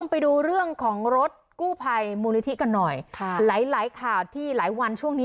ไปดูเรื่องของรถกู้ภัยมูลนิธิกันหน่อยค่ะหลายหลายข่าวที่หลายวันช่วงนี้